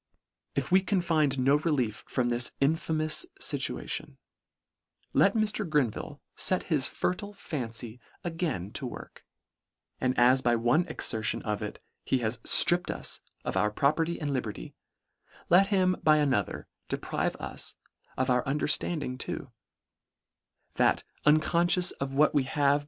If we can find no relief from this infamous fituation, let Mr. Grenville fet his fertile fancy again to work, and as by one exertion of it, he has Stripped us of our property and liberty, let him by another deprive us of our understand ing too, that unconfcious of what we have LETTER IX.